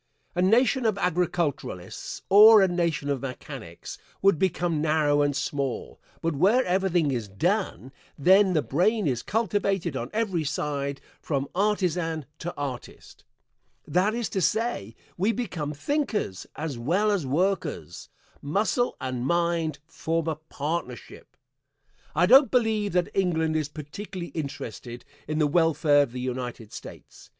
A nation of agriculturalists or a nation of mechanics would become narrow and small, but where everything is done, then the brain is cultivated on every side, from artisan to artist. That is to say, we become thinkers as well as workers; muscle and mind form a partnership. I don't believe that England is particularly interested in the welfare of the United States.